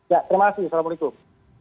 ya terima kasih assalamualaikum